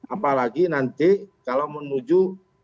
apalagi nanti kalau menuju